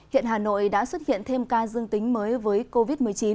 hiện hà nội đã xuất hiện thêm ca dương tính mới với covid một mươi chín